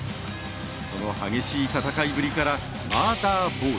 その激しい戦いぶりからマーダーボール